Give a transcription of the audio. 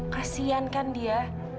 kesian kan dia